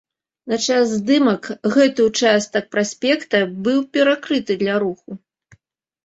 На час здымак гэты ўчастак праспекта быў перакрыты для руху.